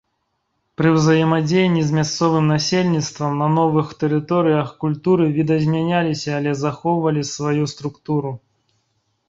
Пры ўзаемадзеянні з мясцовым насельніцтвам на новых тэрыторыях культуры відазмяняліся, але захоўвалі сваю структуру.